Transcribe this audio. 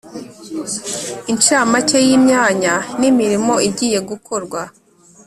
incamake y imyanya nimirimo igiye gukorwa